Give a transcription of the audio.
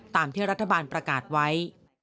ตามที่รัฐบาลประกาศไว้